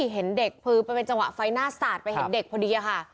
เห็นเด็กคือมันเป็นจังหวะไฟหน้าสาดไปเห็นเด็กพอดีค่ะ